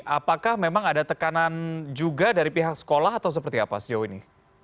apakah memang ada tekanan juga dari pihak sekolah atau seperti apa sejauh ini